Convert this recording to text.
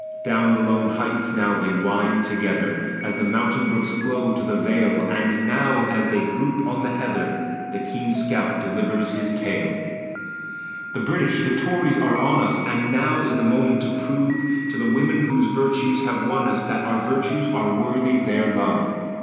Down the lone heights now wind they together, As the mountain brooks flow to the vale, And now, as they group on the heather, The keen scout delivers his tale: "The British the Tories are on us, And now is the moment to prove To the women whose virtues have won us, That our virtues are worthy their love!